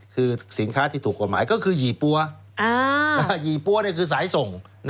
คือสินค้าที่ถูกกฎหมายก็คือหยี่ปั๊วยี่ปั๊วคือสายส่ง